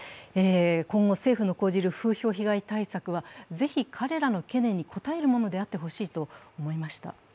今後、政府の講じる風評被害対策はぜひ彼らの懸念に応えるものであってほしいと思いました。